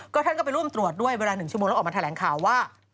ท่านก็ไปร่วมตรวจด้วยเวลา๑ชั่วโมงแล้วออกมาแถลงข่าวว่า